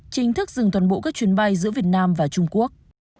chính thức dừng toàn bộ các chuyến bay giữa việt nam và trung quốc